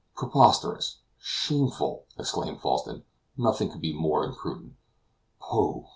"Preposterous! shameful!" exclaimed Falsten; "nothing could be more imprudent." "Pooh!